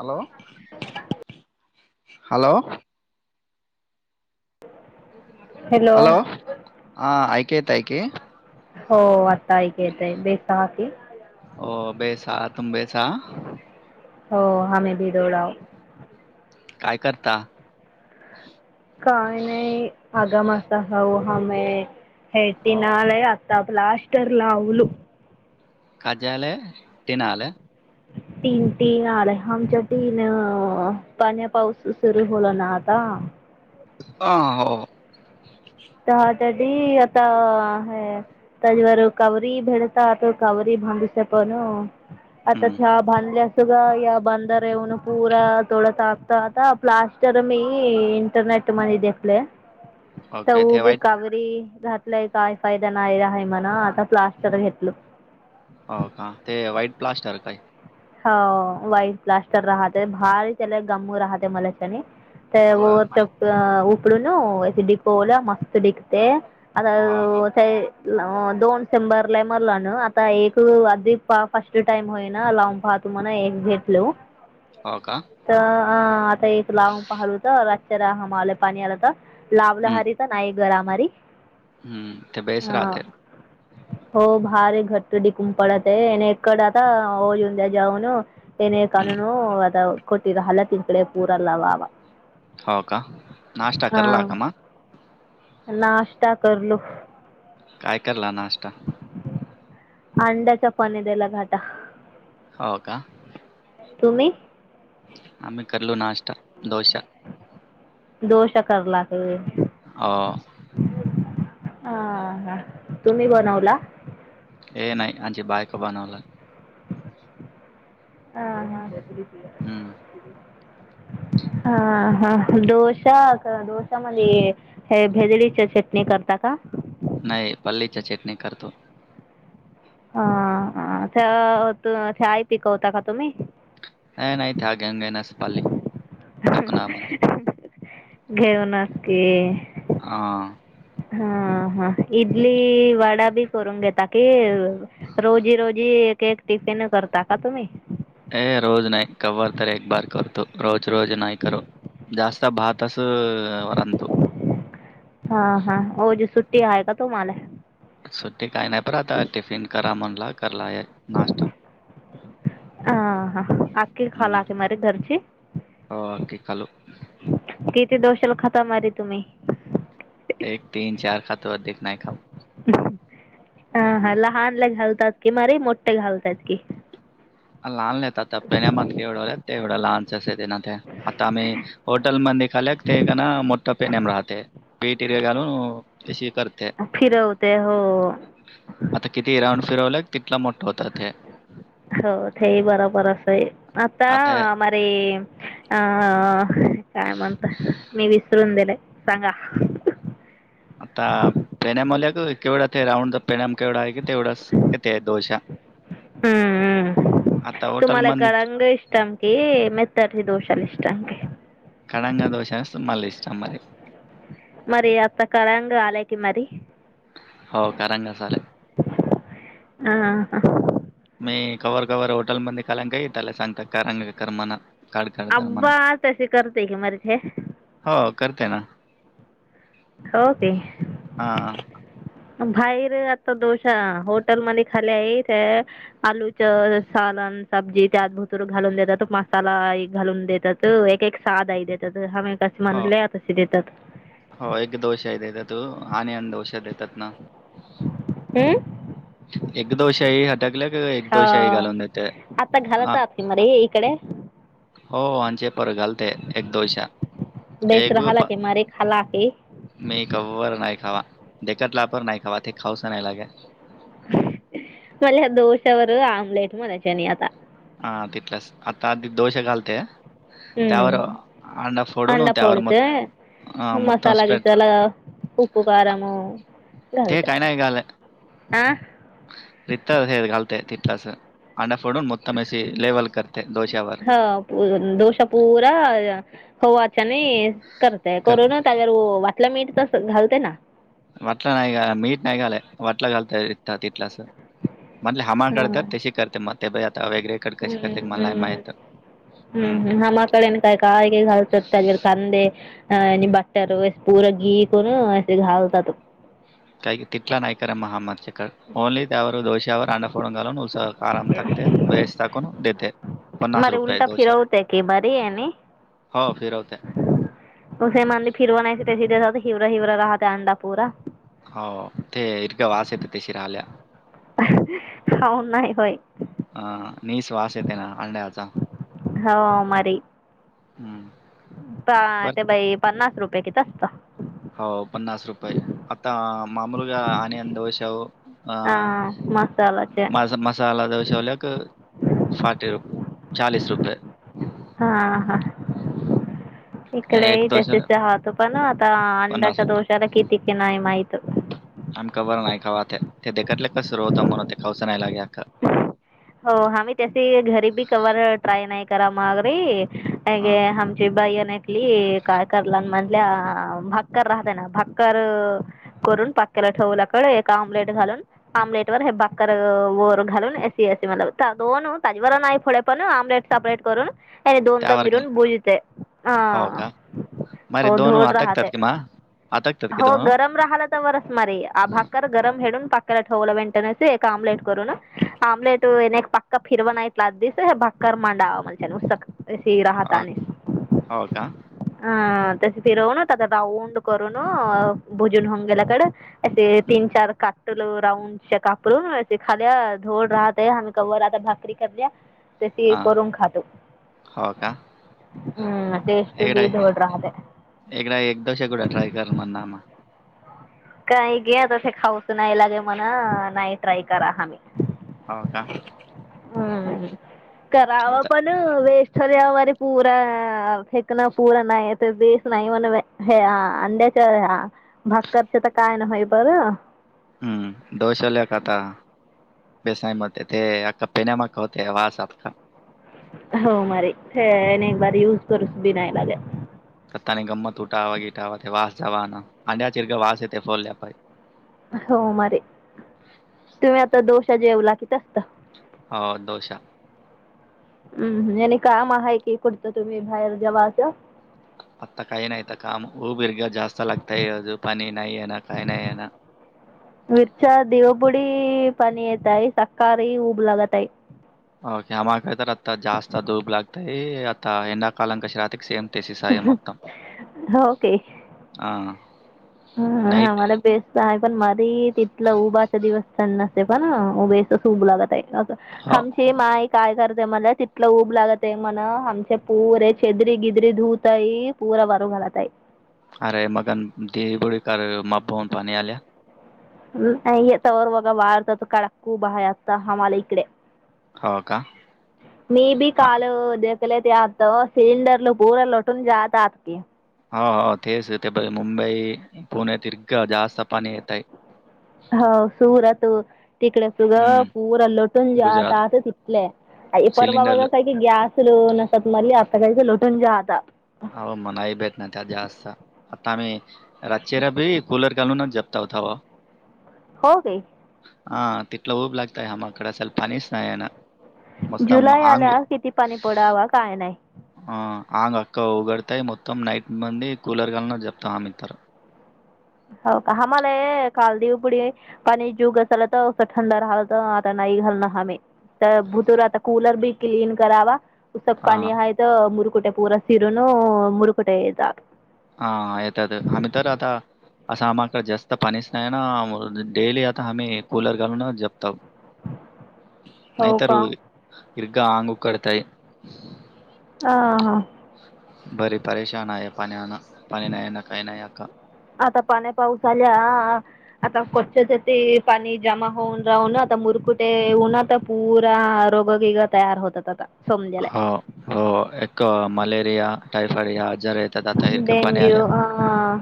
Hello hello. Hello [unintelligible] हो आता ऐक येतय बेसहा की हो बेस तुम बेस- हो हमे भी दौडाव. काय करता. [unintelligible] हो [unintelligible] [unintelligible] तीन तीन आले आमच्या तीन पाण्या पाऊस सुरू होल ना आता. हा हो तर त्याडी आता हेऽ तजवरर कवरी भडता अत कवरी भंगसपण,, हम्म आतातऽ बनल्यास का या बंदर येऊन, पूरा थोडा तापता आता प्लास्टऽ [inaudible] ओके ते वाईट [unintelligible] हो का वाईट फ्लास्टर काय. हो वाईट [unintelligible] [unintelligible] हो माहित आ हो हो ते. दोन संबर ला मला ना आता एक आधी फर्स्ट टाइम होई ना लाॉ ह तुम्ह हो का तर आता एक लावून पाहिल होत रातच्या र हमाले पाणी आला तर हम्म लावलहारी तर नाही गरामारी हम्म ते बेस ह. राहते हो भारी घट्ट डीकम पडते एकड आता ज जवन न कानुन अ कोटर हल्ला तिनकडे पूरल वावा. हो का नाष्टा हा कर्लाकमा. नाश्ता करलो. काय करला नाश्ता. अंड्याचा पाणी द्याला घाटा. हो का. तुम्ही आम्ही करलो नाश्ता दोसा दोसा करला का. हो. हा तुम्ही बनवला. ये नाही आजी बायको बनवला. हा ह त हम्म हा हा डोशा डोशामध्ये हे भेदडीच्या चटणी करता का. नाही पल्लीच्या चटणी करतो. हा त्या त आई पिकवता का तुम्ही. हा नाही त्या आगेंगे ना पाली. घेऊनच की. आ. हा हा इडली वडा बी करून घेतता कि. रोजी रोजी एक एक टिफिन करता का तुम्ही. ए रोज नाही कव््हार तरर एक बार करतो रोज रोज नाही करू. जास्त भतस वरंत. हा हा आहो जे सुट्टी आय का तुम्हाला? सुट्टी काही नाही पर आता टिफिन करा म्हणला कराल नाश्ता. आ हा आक हम्म खाल [unintelligible] हो, की खालो. किती दोष्याला खाता मारी तुम्ही? एक तीन चार खातो. अधिक नाही खात. हा हा लहानला घालतात की मारी मोठे घालतात की. लहानले आहेत आता पण्या मे एवढं आहेत ते एवढं लहानच आहे ना ते आता आम्ही होटलमध्ये खाल्या ते का ना मोठा पेनेम राहते पीटर घालून अ करते. फिरवते हो. आता किती राऊंड फिरवलं. तिथला मोठं होतात हे. हो, तेही बरोबर अस आहे. आता अरे अ काय म्हणत मी विसरून दिलंय. सांगा? आता पेनॅमल्या का केवढं ते राऊंड द पेनॅम केवढा आहे की तेवढंच. किती डोश्या. हम्म हम, आता तुम्हाला हॉटेलमध्ये कलागय. इष्ट क मेतरी दोशा इष्टम क [unintelligible] कडंगा दोश असं मला इस्म मरी [unintelligible] मरी अता कलांग आलेय क मरी हो करंग मसाले ह ह ह. मी कव्ह कवर होटेलमध्ये खालन काही त्याला सांगता का गं करमणा. अबा तसे करतेय की मरते हो, करते ना. होते. हा हा. बाहेर आता दोश होटेलमध्ये खाले आहेत. आलूच सालान सब्जी त्यात भुतूर घालून देतात. मसाला घालून देतात एक एक साद देतात ह. कसे हो म्हनले तसे देतात. हो एक दोश आहे देत तू आणि अ दोष देतात ना. हम एक दोशाही आटकल्या कि एक दोशाही घालून देते आता हा. घालतात मरे इकडे. हो आचे पर घालते एक दोषा बेस रहाला के मारे खहलाके. मी कवर नाही खावा कत लापर नाही खावा ते खाऊसं नाही लागे. मला या दोश्यावर आमलेट म्हणायच्यानी आता. हा तिथलंच आता आधी दोष घालते. त्यावर हम्म अंडा फोडून त्यावर मतम स्प्रे. उपकारामु ते काही नाही घालत. ह तिथं हे घालते. तिथलास अंडा फोडून मोतमेशी लेवल करते दोश्यावर. ह डोश पूरा खवाच्या आणि करत. ते कर करून अगर वाटलं मीठ तरस घालते ना. वटला नाही. का मीट नाही घाला वटला घालतात इटलास. म्हटले हा हमाकडे तर तशी करते मग ते आता वेगरेकडे कशी हम्म करते मला नाही माहित. हम्म. मामाकडे [unintelligible] घालतात त्याज्यात कांदे अ आणि बट्टर पूर घी करून असे घालतात. काही तिथला नाही कर म हा माझ्याकड ओनली त्यावर दोष्यायावर अड फोडून गल उस कार तक वेस ताकून देते. मर उलटा डोसा. फिरवते की मरीये नी. हो, फिरवते. उसे मंदे फिरवा नाहीय ते सिे हिवरं हिववरं राहत अंडा पुूरा. हो ते इर्घ वास येत तेशी ऱ्हाल्या. खाऊन नाही होय हा नि शवास येत ना अंड्याचा हो मारी हम्म ते बाई पन्नास रुपये किती असत हो पन्नास रुपये आता मामूलगा आणि अंधवशाह हा माझ मा मसाला दशवल्याक फटी रप चाळीस रुपये. हा हा. एक इकडे दोशाला तशच्या हातो पण आता अंडाच्या दोषाला किती कि नाही माहीत. आम का बरं नाही खावा ते ते देखतले कसर होतं म्हण ते खावचं नाही लागे अखं हो आम्ही त्याची घरी बी कवर ट्राय नाही करा मगरीे अे ग अ, हमची बाई अनेक. ली कायकरला म्हटल्या भाक्कर राहतय ना भाक्कर करून पाक्क्याला ठेवूला क एक आम्लेट घालून आमलेट वर हे बाकर वओर घालून सी मला दोन [unintelligible] नाही पुडे पण ऑमलेट सापलेट करून त्याने दोनदा त्यावर का मिरून बुजते हो ह का? मग हो दोनों धोड अटकतात राहते. की मग? अटकतात की हो दोनों? गरम राहाला तरवरस मारी आ भाक गरम हेडून [unintelligible] एक आम्लेट करून आम्लेट [unintelligible] फिरवाण नाहीला आ दिस हे भाक्कर मांडावा म्हणच्याने [unintelligible] सी हो राहताने. हो का? अं तशी फिरवून त्या राऊंड करून भुजून हंगेल्याकड असे हं. तीन चार काल राऊंडच्या कापरून असे खाली धोड राहत ह का राहता भाकरी करल्या् तशी हां. करून खातो हो का? हम् टेस्ट बी धोड राहते. इकड एक दवश गुडा ट्राय कर म्हण आमा काही घे त ते खाऊच नाही लागे म्हण नाही ट्राय करा हामी. हो का? हम्म कराव आता पण वेस्ट [unintelligible] पूरा फेकना पूरा नाही आहे तर देस नाही म्ह हे ह अंड्याचा ह भाकरच तर काय ना होय बरं. हम्म डोसा ल खाता. बेसय होते ते अका पेन म होते वास आका. हो मारी एक बारी यूज करूस बी नाय लागे. कतानी गंमत उठावा गिटावा ते वास जवाना अंड्या चिरग वास येते फोडल्या पाहि. हो मारी तुम्ही आता दोशा जेवला की त असत हो दोषा हम् आणि काम आहे की कुठतं तुम्ही बाहेर जावाच. मत् काय नाहीयत काम ह उबिरग जास्त लागतायज पनी नाहीय येन काय नाहीयन. मिरच्या दिवपुडी पाणी येत आहे सकारी ऊब लागतय. ओके आम कातर आता ज जास्त धूप लागतई आता हेंणा कालंक श राातिक सेम तेे शिसा आहे मतम ह. ह मला बेस्ट आहे पण मारी तिथलं उभाचा दिवस त्यांना ते पण उभे सू लागत आहे अस ह ते माय काय करते मला तिथलं ऊब लागत आहे, म्हण आमचे प पुरे छेद्री गिद्री धुतय. पूरा वारू घालत हाय. अरे मगन दे बुडी का माऊून पाणी आल्या हम् येत वर व बारतात कडकू बा आता हमाला इकडे मी बी काल देत. ते लईत आत सिलिंडरल बूर लोटून जात आत की हाव हाव तेच ते प मुंबई पुणे तिर्घ जास्त पाणी येत आहे. होव सूरत तिकडे तुग हं, पूर आल होत लोटून जात गुजरात. अस चिकले परवा बा सिलेंडर काही ते गॅस लो नसत म आता क लोटून जाता आओ मनाही भेट नाही त्यात जास्त आता आम्ही रातचेरा भी कूलर कालून ना झोपताव तवा हो काय? हा तीतला ऊब लागतय हामाकड सल पाणीस नाहीय ना. मस्तम जुलै अंग आल्या किती पाणी पडावा काय नाही? ह आंग अका उगडताय मुतम नाईट मंदे कूलर घालूनच झोपतय आमी तर होव का हम्हाला ए कालदीव पुुडीए, पाणी जीवग असल तर असं थंड राहिला तर आता नाही घालण हामे - तर भुतू राता कूलर भी क्लीन करावा उत पाणी हां, हाय त त मुरकुटे पूरा सीरन मुरकुटे जात हा आ येतात आम्ही तर आता असं आमाकड जास्त पाणी अस नाहीए ना, डेली आता आम्ही कूलर घालूनच झो. हो नाहीतर का हिर्ग आंग उकडतय. हा हां. बरी परेशान आहे पाण्यान, पाणी नाही ये ना काही नाही अका आता पाण्या पाऊस आल्या आ आ आता कच्छ ज ते पाणी जमा होऊन राहून आता मुरकुठे उन्हात तर पूरा आ रोग बिग तयार होतात. समजायला होव हो एक मलेरिया, टायफाईड या आजार येतात आता इरकं पाणी डेंग्यू आल्या आ आ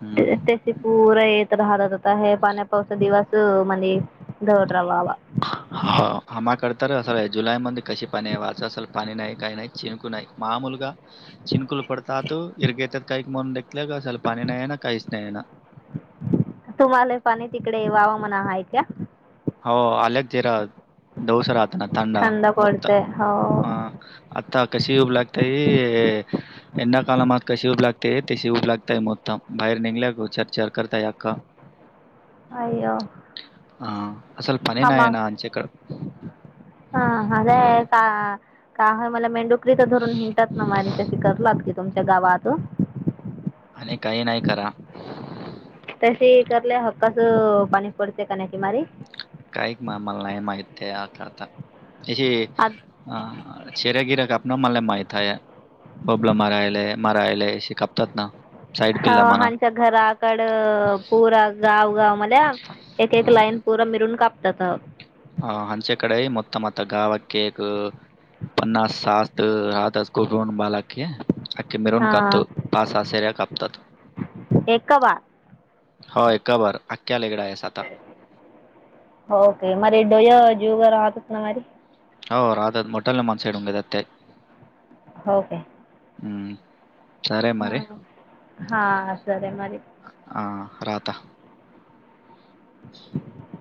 हम्म ते पुर येत राहतात होता हे पाण्या पावसा दिवस म्हणे दडत रावावा. [unintelligible] ह हमाकड तर असल जुलै मध्ये कसे पाणी आहे, वाच असल पाणी नाही काही नाही चिंकू नाही माहा मुलगा चिनकुल पडतात इरगेतात काही म्हणून देेतल्याल, पाणी नाही ए ना काहीच नाही ए ना तुम्हाला पणी तिकडे वावं म्हणा हाय का? हो अलेग जरा दडोसर आताना तड थंड मत पडते हो हह [unintelligible] आता कशी उबलागताय ई ए्णा कालामात कशी उऊब लागते तशी उब लागताय, मुताम बाहेर निघल्या गो चर चर करताय अखा [inaudible] अया व असल पने नाही आहे ना आमच्याकड [unintelligible] हा आ का काहे मला मेडून तिथं धरून हिंतात ना माझ ते करलात की तुमच्या गावात आणि काही नाही करा तसे करलं हक्काच पाणी पडते कानाकिमारी कायीक आमाला माहित नाहीय आता ते आ अ शेरा या गिरा का आपना मला माहीत हाये. बबल मारायलाय माराआयलाय श कापतात ना साईड पिल्ला हव म्हणा. ह्यांच्या घराकड पूरा गावगाव. मल्या एक एक लाईन पुरा मिरून कापतात. हह अंचेेकडे मत मत गावाक एक. पन्नास सात राहातास कोून बा ला के. अख्खे मिरून कापतो पासा आशेऱ्या कापतात. एकवा. होय कबर आख्ख्या लेगडा आहेस आता. ओके मरी डोय जुगर आकतना मरी. हो रा आ मोटल न मन सईड उंगैेात ते हो का? हम्म सारे मर हा सरे मरी ह राता [inaudible]